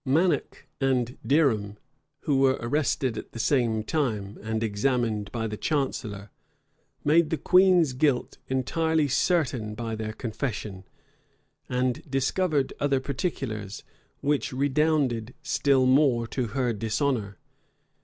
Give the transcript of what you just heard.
Mannoc and Derham, who were arrested at the same time, and examined by the chancellor, made the queen's guilt entirely certain by their confession; and discovered other particulars, which redounded still more to her dishonor.